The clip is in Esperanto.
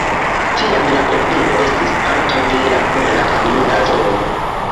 Tiam la urbego estis parto de la pola armea zono.